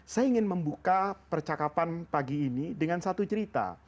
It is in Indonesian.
saya ingin membuka percakapan pagi ini dengan satu cerita